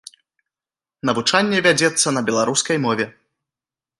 Навучанне вядзецца на беларускай мове.